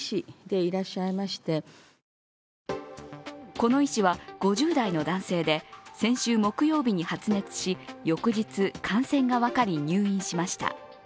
この医師は５０代の男性で、先週木曜日に発熱し翌日、感染が分かり入院しました。